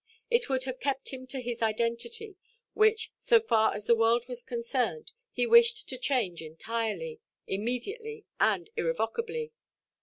It would have kept him to his identity, which (so far as the world was concerned) he wished to change entirely, immediately, and irrevocably.